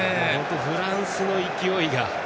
フランスの勢いが。